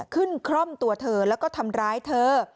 คร่อมตัวเธอแล้วก็ทำร้ายเธอ